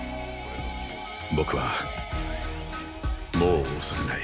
僕はもう恐れない。